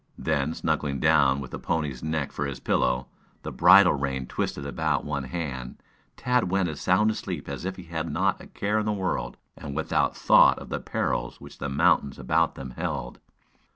Then snuggling down, with the pony's neck for his pillow, the bridle rein twisted about one hand, Tad went as sound asleep as if he had not a care in the world, and without thought of the perils which the mountains about them held.